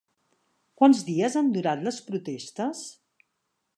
Quants dies han durat les protestes?